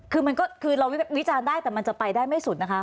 คือเราวิจารณ์ได้แต่มันจะไปได้ไม่สุดนะคะ